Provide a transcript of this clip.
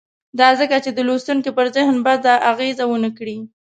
دا ځکه چې د لوستونکي پر ذهن بده اغېزه ونه کړي.